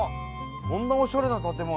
こんなおしゃれな建物。